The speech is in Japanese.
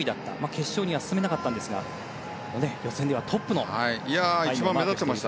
決勝には進めなかったんですが予選ではトップのタイムです。